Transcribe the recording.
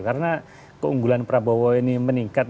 karena keunggulan prabowo ini meningkat